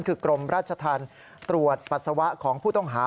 คือกรมราชธรรมตรวจปัสสาวะของผู้ต้องหา